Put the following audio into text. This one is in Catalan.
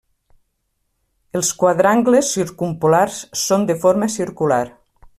Els quadrangles circumpolars són de forma circular.